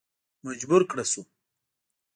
مجبور کړه شو.